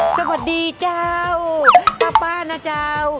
สวัสดีเจ้าป้าป้านะเจ้า